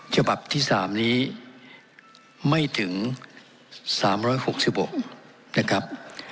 ฉบับที่๓นี้ไม่ถึง๓๖๖นะครับ